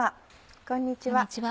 こんにちは。